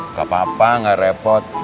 gak apa apa gak repot